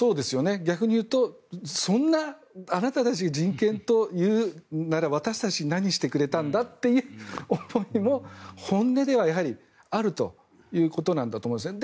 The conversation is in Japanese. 逆に言うと、そんなあなたたち、人権というならば私たちに何してくれたんだという思いも本音ではやはり、あるということなんだと思うんですね。